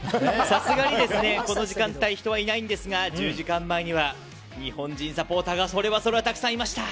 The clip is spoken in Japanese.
さすがに、この時間帯人はいないんですが１０時間前には日本人サポーターがそれはそれはたくさんいました。